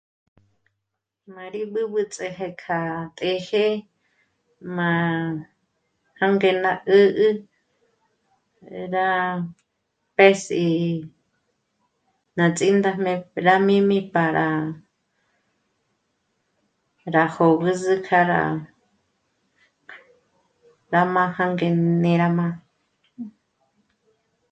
Ma rí b'ǘb'ü ts'ë je kja téje mâ jà nge na 'ü'ü rá pjěs'i nà ts'indajme rà mijmi para rá jogǚzü kja rá ndáma jànge ndé rà m'â'a